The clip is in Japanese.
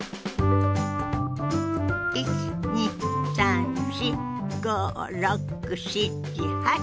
１２３４５６７８。